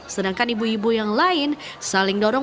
sedangkan ibu ibu yang lain saling dorong